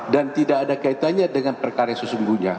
dan tidak ada kaitannya dengan perkara sesungguhnya